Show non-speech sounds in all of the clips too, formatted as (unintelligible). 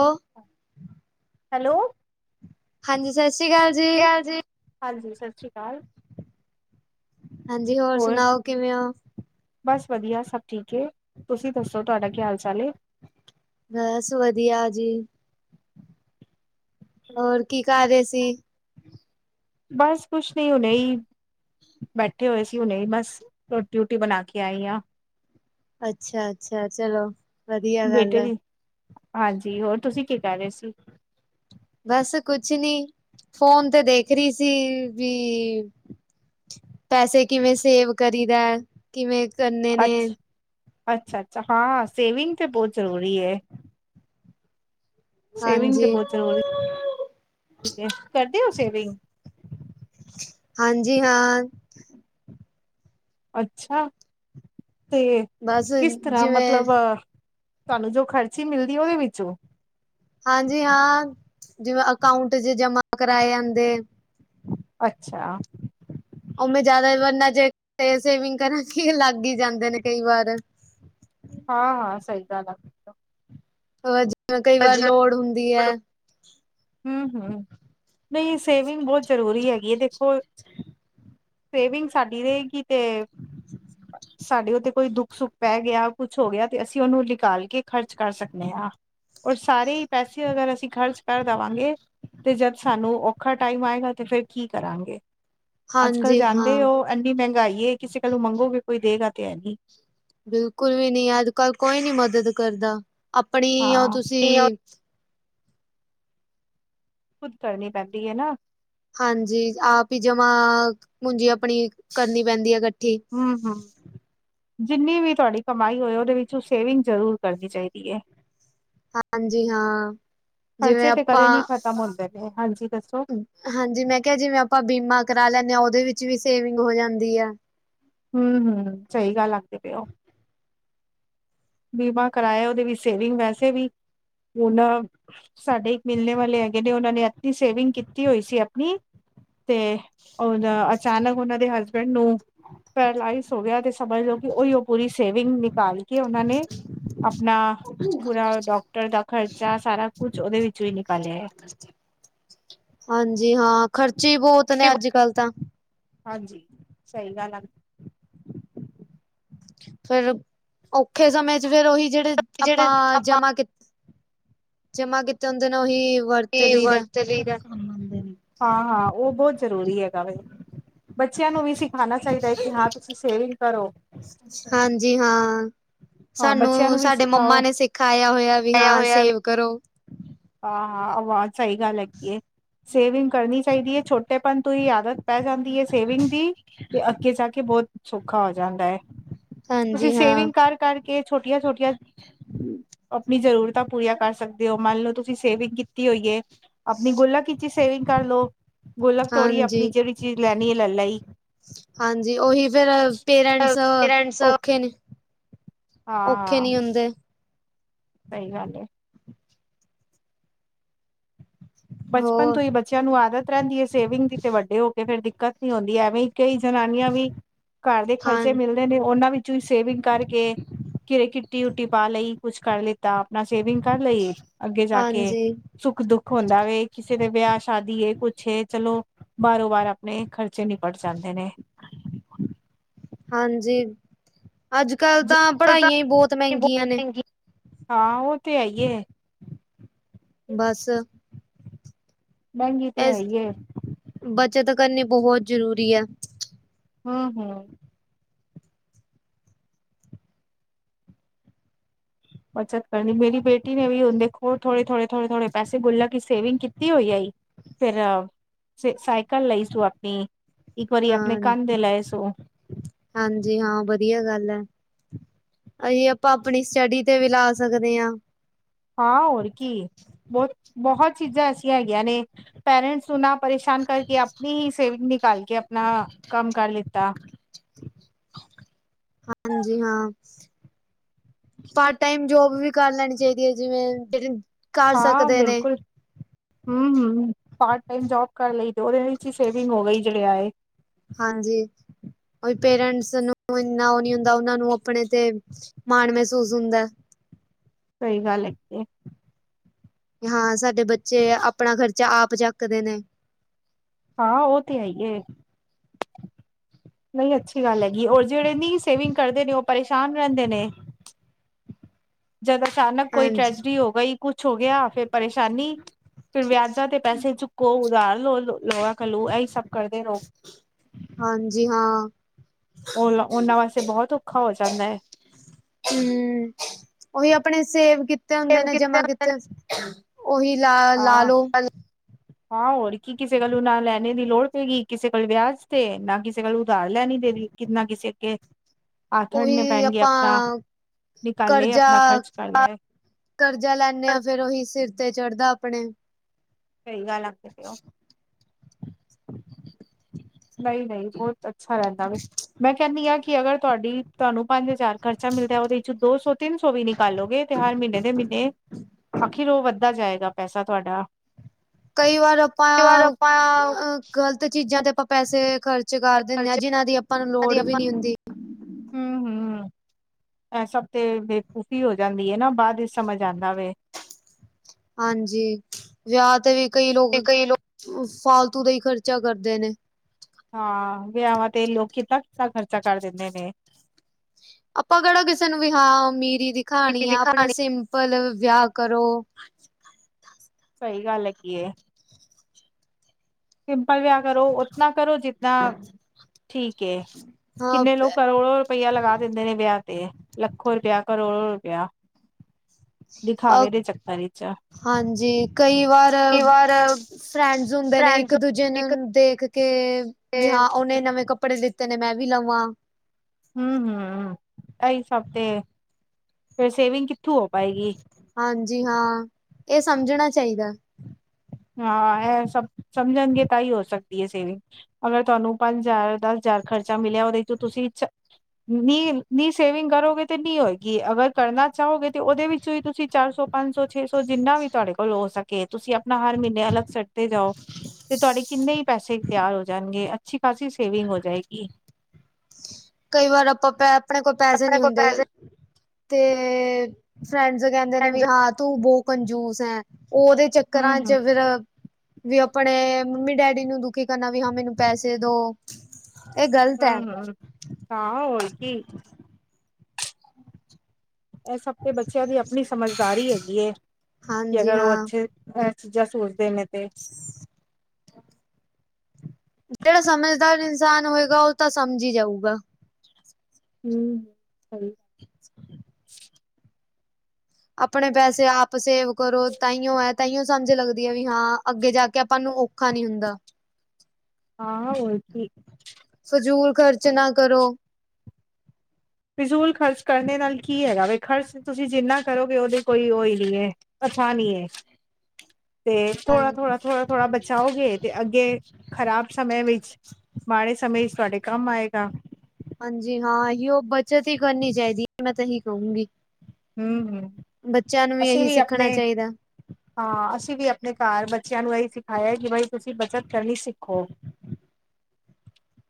Hello, hello. ਹਾਂਜੀ, ਸਤਿ ਸ਼੍ਰੀ ਅਕਾਲ। ਜੀ, ਕੀ ਹਾਲ ਜੀ, ਹਾਂਜੀ, ਸਤਿ ਸ਼੍ਰੀ ਅਕਾਲ। ਹਾਂਜੀ ਹੋਰ ਸੁਣਾਓ, ਕਿਵੇਂ ਓ? ਬਸ ਵਧੀਆ ਸਭ ਠੀਕ ਏ, ਤੁਸੀਂ ਦੱਸੋ ਤੁਹਾਡਾ ਕੀ ਹਾਲ-ਚਾਲ ਏ? ਬਸ ਵਧੀਆ ਜੀ। ਹੋਰ ਕੀ ਕਰ ਰਹੇ ਸੀ? ਬਸ ਕੁਛ ਨੀ ਹੁਣੇ ਈ ਬੈਠੇ ਹੋਏ ਸੀ ਹੁਣੇ ਬਸ, ਰੋਟੀ-ਰੁਟੀ ਬਣਾਕੇ ਆਈ ਆਂ। ਅੱਛਾ-ਅੱਛਾ ਚਲੋ, ਵਧੀਆ ਗੱਲ ਬੇਟੇ ਐ। ਦੀ ਹਾਂਜੀ, ਹੋਰ ਤੁਸੀਂ ਕੀ ਕਹਿ ਰਹੇ ਸੀ? ਬਸ ਕੁਛ ਨੀ, ਫੋਨ ਤੇ ਦੇਖ ਰਹੀ ਸੀ, ਵੀ ਪੈਸੇ ਕਿਵੇਂ ਸੇਵ ਕਰੀਦਾ, ਕਿਵੇਂ ਕਰਨੇ ਨੇ। ਅੱਛਾ-ਅੱਛਾ ਹਾਂ ਸੇਵਿੰਗ ਤੇ ਬੋਤ ਜ਼ਰੂਰੀ ਏ। ਸੇਵਿੰਗ ਤੇ ਹਾਂਜੀ। ਬੋਤ ਜ਼ਰੂਰੀ (inaudible) ਕਰਦੇ ਔ ਸੇਵਿੰਗ? ਹਾਂਜੀ ਹਾਂ। ਅੱਛਾ, ਤੇ ਬਸ ਕਿਸ ਤਰਾ ਜਿਵੇਂ ਮਤਲਬ ਤਾਨੂੰ ਜੋ ਖਰਚੀ ਮਿਲਦੀ ਏ ਉਦੇ ਵਿੱਚੋ। ਹਾਂਜੀ ਹਾਂ, ਜਿਵੇਂ ਅਕਾਊਂਟ ਚ ਜਮਾ ਕਰਾਏ ਆਂਦੇ। ਅੱਛਾ। ਉਵੇਂ ਜਾਦਾ ਵਾਰਨਾ ਜੇ ਸੇਵਿੰਗ ਕਰਾ ਕੀ ਲੱਗ ਈ ਜਾਂਦੇ ਨੇ ਕਈ ਵਾਰ। ਹਾਂ-ਹਾਂ ਸਈ ਗੱਲ ਆ। ਜਿਵੇਂ ਕਈ ਵਾਰ ਅਜ ਲੋੜ ਹੁੰਦੀ ਐ। ਹੂੰ-ਹੂੰ ਨਈ ਸੇਵਿੰਗ ਬੋਤ ਜ਼ਰੂਰੀ ਹੈਗੀ ਏ ਦੇਖੋ। (inaudible) ਸੇਵਿੰਗ ਸਾਡੀ ਰਏਗੀ ਤੇ ਸਾਡੇ ਉੱਤੇ ਕੋਈ ਦੁੱਖ-ਸੁੱਖ ਪੈ ਗਿਆ, ਕੁੱਛ ਹੋ ਗਿਆ ਤੇ ਅਸੀਂ ਉਹਨੂੰ ਨਿਕਾਲ ਕੇ ਖ਼ਰਚ ਕਰ ਸਕਦੇ ਆ। ਔਰ ਸਾਰੇ ਈ ਪੈਸੇ ਅਗਰ ਅਸੀਂ ਖਰਚ ਕਰ ਦਵਾਗੇ। ਤੇ ਜਦ ਸਾਨੂੰ ਔਖਾ ਟਾਈਮ ਆਏਗਾ ਤੇ ਫੇਰ ਕੀ ਕਰਾਂਗੇ ਅੱਜ ਕੱਲ ਹਾਂਜੀ ਜਾਂਦੇ ਹਾਂ ਔ ਐਂਨੀ ਮਹਿੰਗਾਈ ਏ ਕਿਸੇ ਕੋਲੋ ਮੰਗੋਗੇ ਕੋਈ ਦੇਗਾ ਤੇ ਹੈ ਨੀ। ਬਿਲਕੁਲ ਵੀ ਨੀ ਅੱਜ ਕੱਲ ਕੋਈ ਨੀ ਮਦਦ ਕਰਦਾ, ਆਪਣੀ ਓ ਹਾਂ। ਤੁਸੀਂ ਖੁੱਦ ਕਰਨੀ ਪੈਂਦੀ ਐ ਨਾ। ਹਾਂਜੀ ਆਪ ਹੀ ਜਮਾ ਪੂੰਜੀ ਅਪਣੀ ਕਰਨੀ ਪੈਂਦੀ ਆ ਕੱਠੀ। ਹੂੰ-ਹੂੰ। ਜਿੰਨੀ ਵੀ ਤੁਹਾਡੀ ਕਮਾਈ ਹੋਏ ਉਦੇ ਵਿਚੋ ਸੇਵਿੰਗ ਜ਼ਰੂਰ ਕਰਨੀ ਚਾਈਦੀ ਏ। ਹਾਂਜੀ ਹਾਂ ਜਿਵੇਂ ਖਰਚੇ ਤੇ ਆਪਾਂ ਕਦੇ ਨੀ ਖ਼ਤਮ ਹੁੰਦੇ ਨੇ ਹਾਂਜੀ ਦੱਸੋ। ਹਾਂਜੀ ਮੈਂ ਕਿਆ ਜਿਵੇਂ ਆਪਾਂ ਬੀਮਾ ਕਰਾ ਲੈਂਣੇ ਆ ਉਦੇ ਵਿੱਚ ਵੀ ਸੇਵਿੰਗ ਹੋ ਜਾਂਦੀ ਆ। ਹੂੰ-ਹੂੰ ਸਈ ਗੱਲ ਆਖਦੇ ਪਏ ਔ। ਬੀਮਾ ਕਰਾਇਆ ਉਦੇ ਵੀ ਸੇਵਿੰਗ ਵੈਸੇ ਵੀ ਹੁਨ ਸਾਡੇ ਇਕ ਮਿਲਨੇ ਵਾਲੇ ਹੈਗੇ ਨੇ ਔਨਾਂ ਨੇ ਐਡੀ ਸੇਵਿੰਗ ਕੀਤੀ ਹੋਈ ਸੀ ਅਪਨੀ। ਤੇ ਉਨ ਅਚਾਨਕ ਉਨਾਂ ਦੇ ਹਸਬੈਂਡ ਨੂੰ ਪੈਰਲਾਈਜ਼ ਹੋ ਗਿਆ ਤੇ ਸਮਝ ਲੋ ਕਿ ਉਈਔ ਪੂਰੀ ਸੇਵਿੰਗ ਨਿਕਾਲ ਕੇ ਉਨਾਂ ਨੇ ਆਪਣਾ ਪੂਰਾ ਡਾਕ ਟਰ ਦਾ ਖਰਚਾ ਸਾਰਾ ਕੁਛ ਓਦੇ ਵਿੱਚੋ ਹੀ ਨਿਕਾਲਿਆ ਐ। ਹਾਂਜੀ ਹਾਂ ਖਰਚੇ ਹੀ ਬੋਤ ਨੇ ਅੱਜ ਕੱਲ ਤਾ। ਹਾਂਜੀ ਸਈ ਗੱਲ ਆ। ਫਿਰ ਔਖੇ ਸਮੇ ਚ ਫੇਰ ਉਹੀ ਜੇੜੇ ਆਪਾਂ ਜਿਹੜੇ ਆਪਾਂ ਜਮਾ ਕੀ ਜਮਾ ਕੀਤੇ ਹੁੰਦੇ ਨੇ ਓਹੀ ਓਹੀ ਵਰਤ ਲੀ ਦੇ, ਹਾਂ-ਹਾਂ ਓ ਬੋਤ ਜ਼ਰੂਰੀ ਹੈਗਾ ਵੇ। ਬੱਚਿਆਂ ਨੂੰ ਵੀ ਸਿਖਾਨਾ ਚਾਈਦਾ ਹੈ ਕਿ ਹਾਂ ਤੁਸੀਂ ਸੇਵਿੰਗ ਕਰੋ। ਹਾਂਜੀ ਹਾਂ। ਹਾਂ ਬੱਚਿਆਂ ਸਾਨੂੰ ਨੂੰ ਵੀ ਸਾਡੇ ਸਿਖਾਓ। ਮੰਮਾ ਨੇ ਸਿਖਾਇਆ ਹੋਇਆ ਵੀ ਹਾਂ ਸੇਵ ਕਰੋ। ਆ ਹਾਂ ਅਵਾ ਸਈ ਗੱਲ ਹੈਗੀ ਐ ਸੇਵਿੰਗ ਕਰਨੀ ਚਾਈਦੀ ਏ ਛੋਟੇਪਨ ਤੋਂ ਹੀ ਆਦਤ ਪੈ ਜਾਂਦੀ ਐ ਸੇਵਿੰਗ ਦੀ ਤੇ ਅੱਗੇ ਜਾ ਕੇ ਬੋਤ ਸੌਖਾ ਹੋ ਜਾਂਦਾ ਐ। ਤੁਸੀਂ ਹਾਂਜੀ ਹਾਂ, ਸੇਵਿੰਗ ਕਰ ਕਰਕੇ ਛੋਟੀਆਂ-ਛੋਟੀਆਂ ਆਪਣੀ ਜ਼ਰੂਰਤਾਂ ਪੂਰੀਆਂ ਕਰ ਸਕਦੇ ਹੋ ਮੰਨ ਲੋ ਤੁਸ ਸੇਵਿੰਗ ਕੀਤੀ ਹੋਈ ਏ ਅਪਨੀ ਗੁਲਾਕ ਇਚ ਈ ਸੇਵਿੰਗ ਕਰ ਲੋ। ਗੁਲਕ ਤੋੜੀ ਏ ਅਪਣੀ ਹਾਂਜੀ। ਜਿਹੜੀ ਚੀਜ਼ ਲੈਣੀ ਏ ਲੈ ਲਈ ਹਾਂਜੀ ਓਹੀ ਫੇਰ ਪੀਰੀਅਡਸ ਪੇਰੈਂਟਸ ਹਾਂ ਔਖੇ ਨੀ ਔਖੇ ਹਾਂ ਨੀ ਹੁੰਦੇ। ਸਹੀ ਗੱਲ ਏ। ਬਚਪਨ ਹੋਰ ਤੋਂ ਹੀ ਬੱਚੇਆਂ ਨੂੰ ਆਦਤ ਰਹਿੰਦੀ ਏ ਸੇਵਿੰਗ ਦੀ ਤੇ ਵੱਡੇ ਹੋ ਕੇ ਫੇਰ ਦਿੱਕਤ ਨੀ ਹੋਂਦੀ ਐਵੀ। ਕਈ ਜਨਾਨੀਆਂ ਵੀ ਘਰ ਦੇ ਹਾਂ ਖ਼ਰਚੇ ਮਿਲ ਨਹੀਂ ਨੀ ੳਹਨਾ ਵਿੱਚੋਂ ਈ ਸੇਵਿੰਗ ਕਰਕੇ ਘਿਰੇ ਕਿਟੀ ਕੂਟੀ ਪਾ ਲਈ ਕੁੱਛ ਕਰ ਲਿ ਤਾਂ ਆਪਣਾ ਸੇਵਿੰਗ ਕਰ ਲਈ ਅੱਗੇ ਜਾ ਕੇ ਹਾਂਜੀ, ਸੁੱਖ ਦੁੱਖ ਹੁੰਦਾ ਦਾ ਕਿਸੇ ਦੇ ਵਿਆਹ ਸ਼ਾਦੀ ਏ ਕੁਛ ਏ ਚਲੋ ਬਾਰੋ ਬਾਰ ਆਪਣੇ ਖਰਚੇ ਨਿਪਟ ਜਾਂਦੇ ਨੇ। ਹਾਂਜੀ। ਅੱਜ ਕੱਲ੍ਹ ਤਾਂ ਪੜ੍ਹਾਈਆਂ ਈ ਬੋਤ ਬਹੁਤ ਮਹਿੰਗੀਆਂ ਨੇ। ਮਹਿੰਗੀ ਹਾਂ ਉਹ ਤੇ ਹੈ ਈ ਏ। ਬਸ ਮਹਿੰਗੀ ਤੇ ਹੈ ਇਸ ਈ ਏ। ਬੱਚਤ ਕਰਨੀ ਬੋਹਤ ਜ਼ਰੂਰੀ ਆ। ਹਾ ਹਾ ਬੱਚਤ ਕਰਨੀ ਮੇਰੀ ਬੇਟੀ ਨੇ ਵੀ ਹੁਨ ਦੇਖੋ ਥੋੜੇ ਥੋੜੇ ਥੋੜੇ ਥੋੜੇ ਪੈਸੇ ਗੁੱਲਕ ਚ ਈ ਸੇਵਿੰਗ ਕੀਤੀ ਹੋਈ ਆਈ। ਫਿਰ ਸੀ ਸਾਈਕਲ ਲਈ ਸੂ ਅਪਨੀ ਇੱਕ ਵਾਰੀ ਅਪਨੇ ਹਾਂ। ਕੰਨ ਦੇ ਲਏ ਸੂ। ਹਾਂਜੀ ਹਾਂ ਵਧੀਆ ਗੱਲ ਐ। ਆਹੀਂ ਆਪਾਂ ਅਪਣੀ ਸਟੱਡੀ ਤੇ ਵੀ ਲਾ ਸਕਦੇ ਆ। ਹਾਂ ਹੋਰ ਕੀ ਬੋਤ ਬਹੋਤ ਚੀਜ਼ਾਂ ਐਸੀਆਂ ਹੈਗੀਆਂ ਨੇ ਪੈਰੈਂਟਸ ਤੁ ਨਾ ਪਰੇਸ਼ਾਨ ਕਰਕੇ ਅਪਣੀ ਹੀ ਸੇਵਿੰਗ ਨਿਕਾਲ ਕੇ ਅਪਨਾ ਕੰਮ ਕਰ ਲਿਤਾ। ਹਾਂਜੀ ਹਾਂ। ਪਾਰਟ ਟਾਈਮ ਜੋਬ ਵੀ ਕਰ ਲੈਣੀ ਚਾਹੀਦੀ ਏ ਜਿਵੇਂ ਜੇਹੜੇ ਕਰ ਸਕਦੇ ਨੇ। ਹੁ-ਹੁ ਪਾਰਟ ਟਾਈਮ ਜੋਬ ਕਰ ਲਈ ਤੇ ਉਹਦੇ ਵਿੱਚ ਹੀ ਸੇਵਿੰਗ ਹੋ ਗਈ ਜਿਹੜੇ ਆਏ। ਹਾਂਜੀ। ਉਹੀ ਪੇਰੈਂਟਸ ਨੂੰ ਇੰਨਾ ਉਹ ਨੀ ਹੁੰਦਾ ਉਹਨਾ ਨੂੰ ਆਪਣੇ ਤੇ ਮਾਣ ਮਹਿਸੂਸ ਹੁੰਦਾ। ਸਹੀ ਗੱਲ ਹੈਗੀ ਏ। ਕੀ ਹਾਂ, ਸਾਡੇ ਬੱਚੇ ਆਪਣਾ ਖਰਚਾ ਆਪ ਚੱਕਦੇ ਨੇ। ਹਾਂ ਉਹ ਤੇ ਹੈ ਈ ਏ। ਨਹੀਂ ਅੱਛੀ ਗੱਲ ਹੈਗੀ ਏ ਉਹ ਜਿਹੜੇ ਨੀ ਸੇਵਿੰਗ ਕਰਦੇ ਨੇ ਉਹ ਪਰੇਸ਼ਾਨ ਰਹਿੰਦੇ ਨੇ। ਜਦ ਅਚਾਨਕ ਕੋਈ ਹਾਂਜੀ ਟ੍ਰੈਜਡੀ ਹੋ ਗਈ ਕੁਛ ਹੋ ਗਿਆ ਫੇਰ ਪਰੇਸ਼ਾਨੀ ਫਿਰ ਵਿਆਜਾਂ ਤੇ ਪੈਸੇ ਚੁੱਕੋ ਉਧਾਰ ਲੋ ਲੋ ਕਲੋ ਇਹੀ ਸਭ ਕਰਦੇ ਰਹੋ। ਹਾਂਜੀ ਹਾਂ। ਉਹਨ ਉਹਨਾਂ ਵਾਸਤੇ ਬਹੁਤ ਔਖਾ ਹੋ ਜਾਂਦਾ। ਹੁ ਉਹੀ ਅਪਣੇ ਸੇਵ ਕੀਤੇ ਹੁੰਦੇ ਸੇਵ ਨੇ ਜਮਾ ਹੁੰਦੇ ਕੀਤੇ ਨੇ ਉਹੀ ਲਾ ਹਾਂ ਲਾਲੋ। ਹਾਂ ਹੋਰ ਕੀ ਕਿਸੇ ਕੋਲੋਂ ਨਾ ਲੈਨੇ ਦੀ ਲੋੜ ਪਏਗੀ ਕਿਸੇ ਕੋਲੋਂ ਵਿਆਜ ਤੇ ਨਾ ਕਿਸੇ ਕੋਲੋਂ ਉਧਾਰ ਲੈਨੀ ਦੇਨੀ ਕਿੰਨਾ ਕਿਸੇ ਅੱਗੇ ਹਥ ਅਡਣੇ ਉਹੀ -ਪੈਨਗੇ ਆਪਾਂ ਅਪਣਾ ਨਿਕਾਲੇ ਕਰਜ਼ਾ ਅਪਨਾ ਖਰਚ ਕਰ ਲੈ। ਕਰਜ਼ਾ ਲੈਂਨੇ ਆ ਫੇਰ ਉਹੀ ਸਿਰ ਤੇ ਚੜਦਾ ਆਪਣੇ। ਸਹੀ, ਗੱਲ ਆਖਦੇ ਪਏ ਔ। (unintelligible) ਨਈ- ਨਈ ਬੋਤ ਅੱਛਾ ਰੇਂਦਾ ਵੇ, ਮੈਂ ਕੇਂਨੀ ਆ ਕਿ ਅਗਰ ਤੁਆਡੀ ਤੁਆਨੂੰ ਪੰਜ ਹਜ਼ਾਰ ਖਰਚਾ ਮਿਲਦਾ ਓਦੇ 'ਚ ਦੋ ਸੌ ਤਿੰਨ ਸੌ ਵੀ ਨਿਕਾਲੋਗੇ ਤੇ, ਹਰ ਮੀਨੇ ਦੇ ਮੀਨੇ ਆਖਿਰ ਓ ਵੱਧਦਾ ਜਾਏਗਾ ਪੈਸਾ ਤੁਆਡਾ ਕਈ ਵਾਰ ਆਪਾਂ ਆਪਾਂ ਆ, ਗ਼ਲਤ ਚੀਜ਼ਾਂ ਤੇ ਆਪਾਂ ਪੈਸੇ ਖਰਚ ਖਰਚ ਕਰ ਦਿੰਦੇ ਆਂ, ਖਰਚਿਆਂ ਜਿਨ੍ਹਾਂ ਦੀ ਆਪਾਂ ਨੂੰ ਲੋੜ ਵੀ ਨੀ ਹੁੰਦੀ। ਹੂੰ -ਹੂੰ-ਹੂੰ ਏ ਸਭ ਤੇ ਬੇਵਕੂਫੀ ਹੋ ਜਾਂਦੀ ਐ ਨਾ। ਬਾਦ ਵਿੱਚ ਸਮਝ ਆਦਾਂ ਵੇ ਹਾਂਜੀ, ਵਿਆਹ ਤੇ ਵੀ ਕਈ ਲੋਗ ਤੇ ਕਈ ਲੋਕ ਫ ਫਾਲਤੂ ਦਾ ਈ ਖਰਚਾ ਕਰਦੇ ਨੇ। ਹਾਂ, ਵਿਆਵਾਂ ਤੇ ਲੋਕੀ ਕਿੱਦਾਂ-ਕਿੱਦਾ ਖਰਚਾ ਕਰ ਦਿੰਦੇ ਨੇ। ਆਪਾਂ ਕੇੜਾ ਕਿਸੇ ਨੂੰ ਵੀ ਹਾਂ, ਅਮੀਰੀ ਕਿਸੀ ਦਿਖਾਣੀ ਦੀ ਆ ਆਪਣਾ ਕਹਾਣੀ ਸਿੰਮ ਪਲ ਵਿਆਹ ਕਰੋ। ਸਹੀ ਗੱਲ ਹੈਗੀ ਐ। ਸਿੰਪਲ ਵਿਆਹ ਕਰੋ, ਉਤਨਾ ਕਰੋ ਜਿਤਨਾ ਠੀਕ ਏ, ਹਾਂ ਕਿੰਨੇ ਲੋਕ ਕਰੋੜੋ ਰੁਪੇਆ ਲਗਾ ਦਿੰਦੇ ਨੇ ਵਿਆਹ ਤੇ, ਲੱਖੋੰ ਰੁਪੇਆ ਕਰੋੜੋ ਰੁਪੇਆ। ਅ ਦਿਖਾਵੇ ਦੇ ਚੱਕਰ ਵਿਚ। ਹਾਂਜੀ, ਕਈ ਵਾਰ, ਫਰੈਂਡਸ ਹੁੰਦੇ ਨੇ ਇੱਕ ਫਰੈਂਡਸ ਦੂਜੇ ਨੂੰ ਇੱਕ ਦੇਖ ਕੇ ਤੇ ਵੀ ਹਾਂ, ਓਨੇ ਨਵੇਂ ਕੱਪੜੇ ਲਿੱਤੇ ਨੇ ਮੈਂ ਵੀ ਲਵਾਂ। ਹੂੰ ਹੂੰ ਐ ਈ ਸਭ ਤੇ, ਫਿਰ ਸੇਵਿੰਗ ਕਿੱਥੋਂ ਹੋ ਪਾਏਗੀ। ਹਾਂਜੀ ਹਾਂ, ਏ ਸਮਝਣਾ ਚਾਈਦਾ। ਹਾਂ, ਏ ਸਭ ਸਮਝਣਗੇ ਤਾਂ ਈ ਹੋ ਸਕਦੀ ਐ ਸੇਵਿੰਗ ਅਗਰ ਤੁਆਨੂੰ ਪੰਜ ਆਏ ਦਸ ਹਜ਼ਾਰ ਖਰਚਾ ਮਿਲਿਆ, ਉਹਦੇ ਚੋਂ ਤੁਸੀਂ ਸ਼ ਵੀਹ ਨੀ ਸੇਵਿੰਗ ਕਰੋਗੇ ਤੇ ਵੀਹ ਹੋਏਗੀ, ਅਗਰ ਕਰਨਾ ਚਾਹੋਗੇ ਤੇ ਉਹਦੇ ਵਿੱਚੋਂ ਹੀ ਤੁਸੀਂ ਚਾਰ ਸੌ ਪੰਜ ਸੌ ਛੇ ਸੌ ਜਿੰਨਾ ਵੀ, ਤੁਆਡੇ ਕੋਲ ਹੋ ਸਕੇ ਤੁਸੀਂ ਆ ਨਾ ਹਰ ਮੀਨੇ ਅਲੱਗ ਸੈਟ ਤੇ ਜਾਓ ਤੇ, ਤੁਹਾਡੇ ਕਿੰਨੇ ਈ ਪੈਸੇ ਤਿਆਰ ਹੋ ਜਾਣਗੇ ਅ ਅੱਛੀ- ਖਾਸੀ ਸੇਵਿੰਗ ਹੋ ਜਾਏਗੀ। ਕਈ ਵਾਰ ਆਪਾਂ ਪੈ ਆਪਣੇ ਕੋਲ ਪੈਸੇ ਆਪਣੇ ਨਈ ਕੋਲ ਹੁੰਦੇ, ਪੈਸੇ ਤੇ ਫਰੈਂਡਸ ਕੇਂਦੇ ਨੇ ਵੀ ਹਾਂ ਤੂੰ ਬੋ ਕੰਜੂਸ ਏ, ਓਦੇ ਚੱਕਰਾਂ ਵਿਚ ਹੂੰ-ਹੂੰ, ਫਿਰ ਵੀ ਆਪਣੇ ਨੇ ਮੰਮੀ- ਡੈਡੀ ਨੂੰ ਦੁਖੀ ਕਰਨਾ ਵੀ ਹਾਂ ਮੈਨੂੰ ਪੈਸੇ ਦੋ। ਇਹ ਗ਼ਲਤ ਹੈ। ਹੂੰ ਹੂੰ-ਹਾ ਹੋਰ ਕੀ। (inaudible) ਏ ਸਬ ਤੇ ਬੱਚੇਆਂ ਦੀ ਆਪਣੀ ਸਮਝਦਾਰੀ ਹੈਗੀ ਐ, ਕਿ ਹਾਂਜੀ ਅਗਰ ਓ ਹਾਂ ਅੱਛੇ ਏ ਚੀਜ਼ਾਂ ਸੋਚਦੇ ਨੇ ਤੇ (inaudible) ਜੇੜਾ ਸਮਝਦਾਰ ਇਨਸਾਨ ਹੋਏਗਾ ਉਹ ਤਾਂ ਸਮਝ ਈ ਜਾਊਗਾ। ਹੂੰ ਸਈ। ਆਪਣੇ ਪੈਸੇ ਆਪ ਸੇਵ ਕਰੋ ਤਾਂਈਓ ਐ ਤਾਂਈਓ ਸਮਝ ਲੱਗਦੀ ਆ ਵੀ ਹਾਂ ਅੱਗੇ ਜਾ ਕੇ ਆਪਾਂ ਨੂੰ ਔਖਾ ਨੀ ਹੁੰਦਾ। ਆਹੋ ਏ ਤੀ। ਫਜ਼ੂਲ ਖ਼ਰਚ ਨਾ ਕਰੋ। ਫਜ਼ੂਲ ਖਰਚ ਕਰਨ ਦੇ ਨਾਲ ਕੀ ਹੈਗਾ ਵੇ ਖਰਚ ਤੁਸੀਂ ਜਿੰਨਾ ਕਰੋਗੇ ਓਦੇ ਕੋਈ ਓ ਹੈਗੀ ਐ। ਅੱਛਾ ਨੀਏ, ਤੇ ਥੋੜਾ, ਹਾਂਜੀ ਥੋੜ-ਥੋੜਾ ਥੋੜ੍ਹਾ, ਬਚਾਓਗੇ ਤੇ ਅੱਗੇ ਖ਼ਰਾਬ ਸਮੇ ਵਿੱਚ ਮਾੜੇ ਸਮੇਂ ਚ ਤੁਆਡੇ ਕੰਮ ਆਏਗਾ। ਹਾਂਜੀ, ਹਾਂ ਹੀ ਉਹ ਬੱਚਤ ਹੀ ਕਰਨੀ ਚਾਹੀਦੀ ਹੈ। ਮੈਂ ਤੇ ਏਹੀ ਕਹੂੰਗੀ? ਹੂੰ-ਹੂੰ ਬੱਚਿਆਂ ਨੂੰ ਵੀ ਅਸੀਂ ਇਹੀ ਸਿੱਖਣਾ ਆਪਣੇ ਚਾਹੀਦਾ। ਹਾਂ, ਅਸੀਂ ਵੀ ਆਪਣੇ ਘਾਰ ਬੱਚਿਆਂ ਨੂੰ ਇਹੀ ਸਖਾਇਆ ਤੁਸੀਂ ਬੱਚਤ ਕਰਨੀ ਸਿੱਖੋ?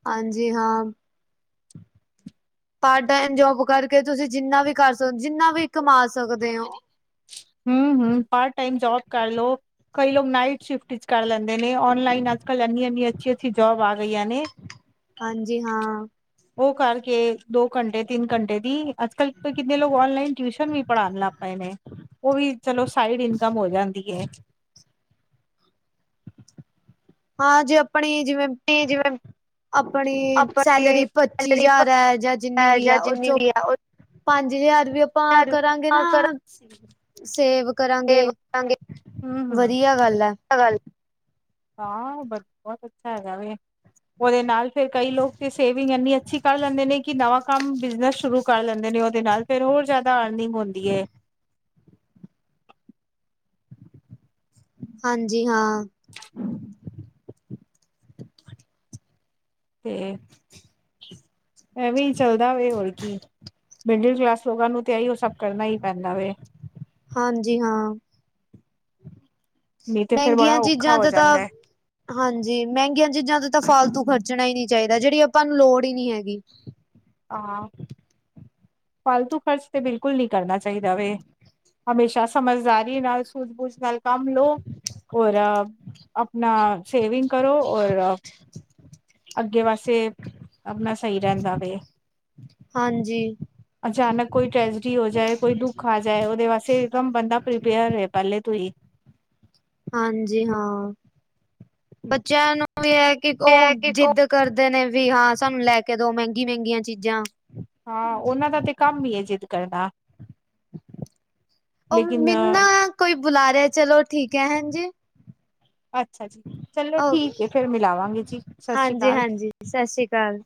ਹਾਂਜੀ ਹਾਂ। ਪਾਰ੍ਟ ਟਾਈਮ ਜੋਬ ਕਰਕੇ ਤੁਸੀਂ ਜਿੰਨਾ ਵੀ ਕਰ ਸਕਦੇ ਜਿੰਨਾ ਵੀ ਕਮਾ ਸਕਦੇ ਓ? ਹਮ ਹਮ ਪਾਰਟ ਟਾਈਮ ਜੋਬ ਕਰਲੋ, ਕਈ ਲੋਕ ਨਾਈਟ ਸ਼ਿਫਟ ਚ ਕਰ ਲੈਂਦੇ ਨੇ ਲਾਇਨ ਅੱਜ ਕੱਲ੍ਹ ਇੰਨੀ-ਇੰਨੀ ਅੱਸੀ ਅੱਸੀ ਜੋਬ ਆ ਗਈਆਂ ਨੇ। ਹਾਂਜੀ ਹਾਂ। ਉਹ ਕਰਕੇ ਦੋ ਘੰਟੇ ਤਿੰਨ ਘੰਟੇ ਦੀ, ਅੱਜ-ਕੱਲ ਕਿੰਨੇ ਲੋਕ ਔਨਲਾਈਨ ਟਿਊਸ਼ਨ ਵੀ ਪੜ੍ਹਾਉਣ ਲੱਗ ਪਏ ਨੇ। ਉਹ ਵੀ ਚਲੋ ਸਾਈਡ ਇਨਕਮ ਹੋ ਜਾਂਦੀ ਹੈ। ਹਾਂ ਜੇ ਆਪਣੀ ਜਿਵੇਂ ਜੀ ਜਿਵੇਂ ਆਪਣੀ ਆਪਣੇ ਸੈਲਰੀ ਪੱਚੀ ਸੈਲਰੀ ਹਜ਼ਾਰ ਹੈ, ਜਾਂ ਜਿੰਨੀ ਵੀ ਜਾਂ ਹੈ ਉਹ ਜਿੰਨੀ ਚੋਂ। ਵੀ ਹੈ ਉਹ ਪੰਜ ਹਜ਼ਾਰ ਵੀ ਆਪਾਂ ਕਰਾਂਗੇ ਨਾ। ਸੇਵ ਕਰਾਂਗੇ, ਵਧੀਆ ਗੱਲ ਐ। ਗੱਲ ਹਾਂ, ਔ ਬਹੁਤ ਅੱਛਾ ਹੈਗਾ ਵੇ ਉਹਦੇ ਨਾਲ ਫੇਰ ਕਈ ਲੋਕ ਤੇ ਸੇਵਿੰਗ ਇੰਨੀ ਅੱਛੀ ਕਰ ਲੈਂਦੇ ਨੇ, ਕਿ ਨਵਾਂ ਕੰਮ ਬਿਜਨਸ ਸ਼ੁਰੂ ਕਰ ਲੈਂਦੇ ਨੇ ਉਹਦੇ ਨਾਲ ਫੇਰ ਹੋਰ ਜ਼ਿਆਦਾ ਆਰਨਿੰਗ ਹੁਦੀ ਏ। ਹਾਂਜੀ ਹਾਂ। ਤੇ ਐਵੇਂ ਈ ਚੱਲਦਾ ਵੇ ਹੋਰ ਕੀ ਮਿਡਲ ਕਲਾਸ ਲੋਗਾਂ ਨੂੰ ਤੇ ਅਹਿਓ ਸਭ ਕਰਨਾ ਹੀ ਪੈਦਾ ਵੈ। ਹਾਂਜੀ ਹਾਂ ਮਹਿੰਗੀਆਂ ਬੜਾ ਔਖਾ ਚੀਜ਼ਾਂ ਹੋ ਤੋਂ ਤਾ। ਜਾਂਦਾ ਹੈ ਹਾਂਜੀ, ਮਹਿੰਗੀਆਂ ਚੀਜ਼ਾਂ ਤੇ ਤਾਂ ਫਾਲਤੂ ਖਰਚਣਾ ਹੀ ਨਹੀਂ ਚਾਹੀਦਾ। ਜਿਹੜੀ ਆਪਾਂ ਨੂੰ ਲੋੜ ਹੀ ਨਹੀਂ ਹੈਗੀ। ਆ ਹਾਂ, ਫਾਲਤੂ ਖ਼ਰਚ ਤੇ ਬਿਲਕੁਲ ਨਹੀਂ ਕਰਨਾ ਚਾਹੀਦਾ ਵੇ। ਹਮੇਸ਼ਾ ਸਮਝਦਾਰੀ ਨਾਲ ਸੂਝ- ਬੂਝ ਨਾਲ ਕੰਮ ਲਓ ਔਰ ਆਪਣਾ ਸੇਵਿੰਗ ਕਰੋ ਔਰ। ਅੱਗੇ ਵਾਸਤੇ ਆਪਣਾ ਸਹੀ ਰਹਿੰਦਾ ਵੇ। ਹਾਂਜੀ। ਅਚਾਨਕ ਕੋਈ ਟ੍ਰੈਜਡੀ ਹੋ ਜਾਏ ਕੋਈ ਦੁੱਖ ਆ ਜਾਏ। ਉਹਦੇ ਵਾਸਤੇ ਇਕਦਮ ਬੰਦਾ ਪ੍ਰੀਪੇਅਰ ਰਹੇ ਪਹਿਲੇ ਤੋਂ ਹੀ। ਹਾਂਜੀ ਹਾਂ। ਬੱਚਿਆਂ ਨੂੰ ਔ ਵੀ ਹੈ ਕਿ ਇਹ ਉਹ ਹੈ ਕਿ ਜਿੱਦ ਕਰਦੇ ਨੇਂ ਵੀ ਹਾਂ ਸਾਨੂੰ ਲੈ ਕੇ ਦੋ ਮਹਿੰਗੀ ਮਹਿੰਗੀਆਂ ਚੀਜ਼ਾਂ। ਹਾਂ ਉਹਨਾਂ ਦਾ ਤੇ ਕੰਮ ਹੀ ਏ ਜਿੱਦ ਕਰਨਾਂ। ਉਹ ਮੈਨੂੰ ਨਾਂ ਕੋਈ ਬੁਲਾ ਰਿਹਾ ਚਲੋ ਠੀਕ ਹੈ ਹਾਂਜੀ। ਅੱਛਾ- ਅੱਛਾ (inaudible) ਚਲੋ ਓ ਠੀਕ ਹੈ ਫਿਰ ਮਿਲਾਵਾਂਗੇ ਜੀ ਸਤਿ ਸ੍ਰੀ ਹਾਂਜੀ ਅਕਾਲ। ਹਾਂਜੀ ਸਤਿ ਸ੍ਰੀ ਅਕਾਲ